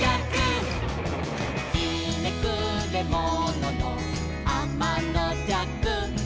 「ひねくれもののあまのじゃく」